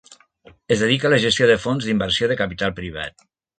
Es dedica a la gestió de fons d'inversió de capital privat.